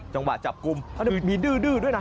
จังหวะจับกลุ่มมีดื้อด้วยนะ